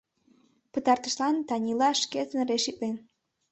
Пытартышлан Танила шкетын решитлен.